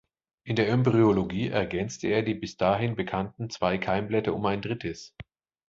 In der Embryologie ergänzte er die bis dahin bekannten zwei Keimblätter um ein drittes.